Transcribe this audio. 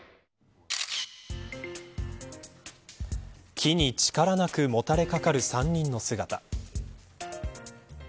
木に力なくもたれかかる３人の姿。